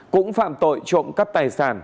cũng phạm tội trộm cắp tài sản